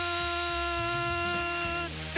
って